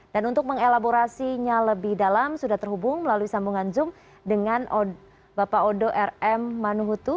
dan untuk mengelaborasinya lebih dalam sudah terhubung melalui sambungan zoom dengan bapak odo rm manuhutu